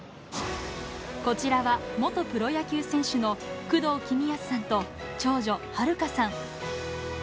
こちらは元プロ野球選手の工藤公康さんと長女、遥加さん。